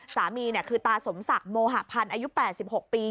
สามีเนี่ยคือตาสมศักดิ์โมหะพันธ์อายุแปดสิบหกปี